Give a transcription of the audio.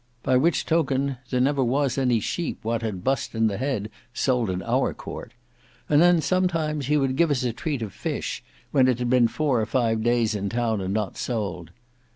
By which token there never was any sheep what had bust in the head sold in our court. And then sometimes he would give us a treat of fish, when it had been four or five days in town and not sold.